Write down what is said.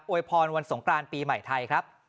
โอยพรวันสงครานปีใหม่ไทย